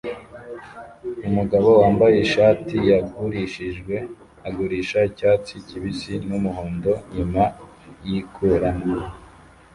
Umugabo wambaye ishati yagurishijwe agurisha icyatsi kibisi n'umuhondo inyuma yikuramo